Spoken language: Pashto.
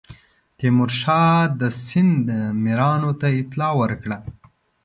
تیمورشاه د سند میرانو ته اطلاع ورکړه.